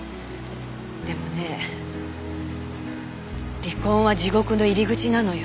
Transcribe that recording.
でもね離婚は地獄の入り口なのよ。